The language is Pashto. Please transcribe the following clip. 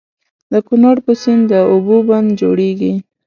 د کنړ په سيند د اوبو بند جوړيږي.